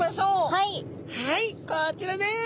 はいこちらです！